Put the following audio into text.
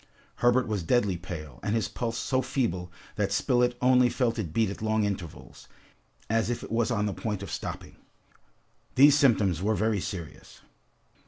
Herbert was deadly pale, and his pulse so feeble that Spilett only felt it beat at long intervals, as if it was on the point of stopping. These symptoms were very serious.